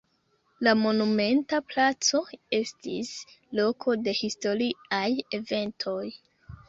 La monumenta placo estis loko de historiaj eventoj.